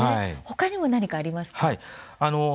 他にも何かありますか？